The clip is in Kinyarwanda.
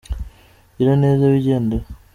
Gira neza wigendere.